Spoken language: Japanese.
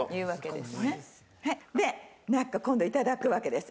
でなんか今度いただくわけです。